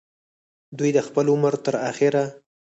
دوي د خپل عمر تر اخره